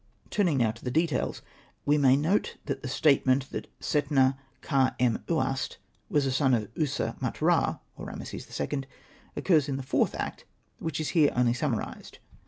Turning now to the details, we may note that the statement that Setna Kha.em.uast was a son of User.maat.ra (or Ramessu II.) occurs in the fourth act which is here only sum marised.